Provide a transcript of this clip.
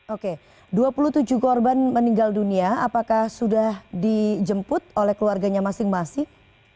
oke dua puluh tujuh korban meninggal dunia apakah sudah dijemput oleh keluarganya masing masing